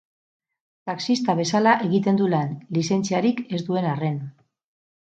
Taxista bezala egiten du lan, lizentziarik ez duen arren.